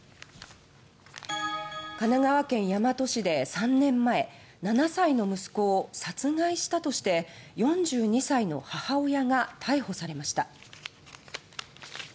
神奈川県大和市で３年前７歳の息子を殺害したとして４２歳の母親が逮捕されました。